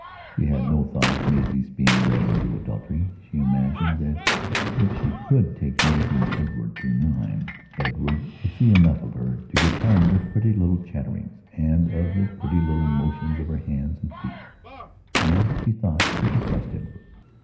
She had no thought of Maisie's being led into adultery; she imagined that if she could take Maisie and Edward to Nauheim, Edward would see enough of her to get tired of her pretty little chatterings, and of the pretty little motions of her hands and feet. And she thought she could trust Edward.